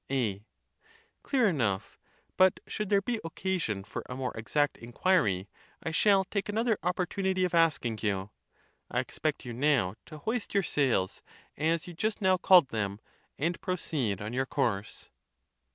A. Clear enough; but should there be occasion for a more exact inquiry, I shall take another opportunity of asking you. I expect you now to hoist your sails, as you just now called them, and proceed on your course.